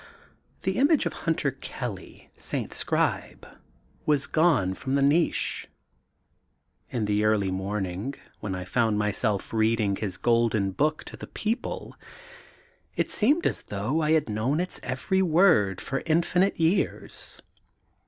The Image of Hnnter Kelly St. Scribe, was gone from the niche. In the late morning, when Tfonnd myself reading his Golden Book to the people it seemed as thongh I had known its every word for infinite years.